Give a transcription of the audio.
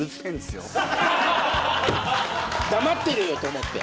「黙ってろよ」と思って？